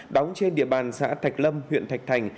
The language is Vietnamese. đóng trên địa bàn xã thạch lâm huyện thạch thành